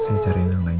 saya cari yang lain